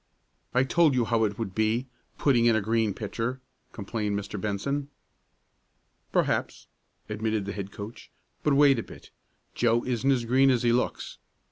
"I told you how it would be putting in a green pitcher," complained Mr. Benson. "Perhaps," admitted the head coach. "But wait a bit. Joe isn't as green as he looks.